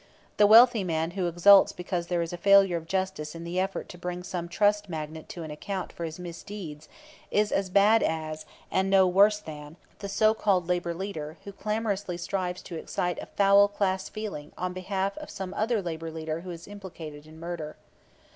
The wealthy man who exults because there is a failure of justice in the effort to bring some trust magnate to an account for his misdeeds is as bad as, and no worse than, the so called labor leader who clamorously strives to excite a foul class feeling on behalf of some other labor leader who is implicated in murder.